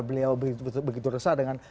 beliau begitu resah dengan